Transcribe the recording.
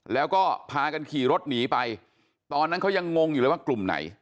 แล้วก็พากันขี่รถหนีไปตอนนั้นเขายังงงอยู่เลยว่ากลุ่มไหน